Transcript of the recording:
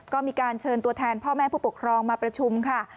ก็มีการเชิญตัวแทนพ่อแม่ผู้ปกครองมาประชุมค่ะ